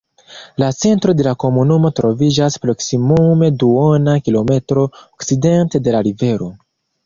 La centro de la komunumo troviĝas proksimume duona kilometro okcidente de la rivero.